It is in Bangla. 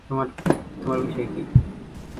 তোমার বিষয় কী?